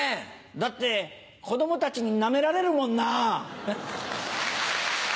だって子供たちにナメられるもんな。